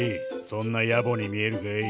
そんなやぼに見えるかい？